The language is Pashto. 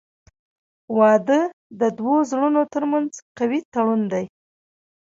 • واده د دوه زړونو ترمنځ قوي تړون دی.